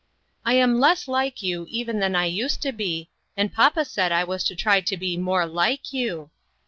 "I am less like you even than I used to be, and papa said I was to try to be more like you.